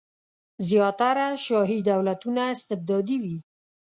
زیاتره شاهي دولتونه استبدادي وي.